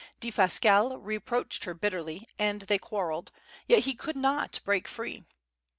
Defasquelle reproached her bitterly, and they quarrelled, yet he could not break free.